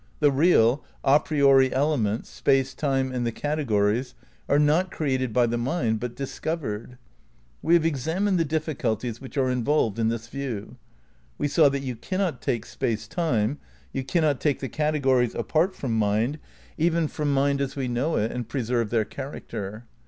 The real, a priori ele ments, space, time and the categories, are not created by the mind but discovered. We have examined the difficulties which are involved in this view. We saw that you cannot take Space Time, you cannot take the categories apart from mind, even from mind as we know it, and preserve their character.